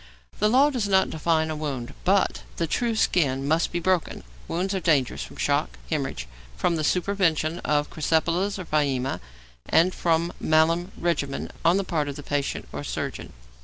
The law does not define 'a wound,' but the true skin must be broken. Wounds are dangerous from shock, hæmorrhage, from the supervention of crysipelas or pyæmia, and from malum regimen on the part of the patient or surgeon.